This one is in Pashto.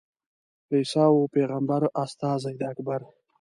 عیسی وو پېغمبر استازی د اکبر.